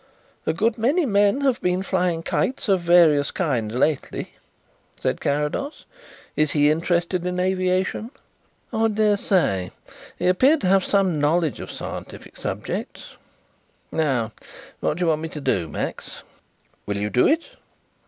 "A good many men have been flying kites of various kinds lately," said Carrados. "Is he interested in aviation?" "I dare say. He appears to have some knowledge of scientific subjects. Now what do you want me to do, Max?" "Will you do it?"